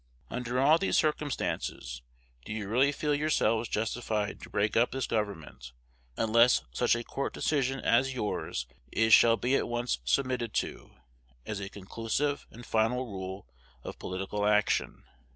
Under all these circumstances, do you really feel yourselves justified to break up this Government, unless such a court decision as yours is shall be at once submitted to, as a conclusive and final rule of political action?